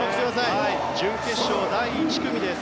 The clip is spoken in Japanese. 準決勝第１組です。